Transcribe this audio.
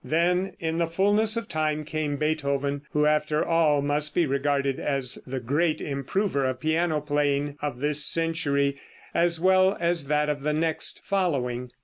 Then in the fullness of time came Beethoven, who after all must be regarded as the great improver of piano playing of this century, as well as that of the next following.